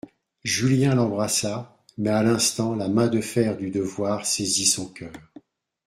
Julien l'embrassa, mais à l'instant la main de fer du devoir saisit son coeur.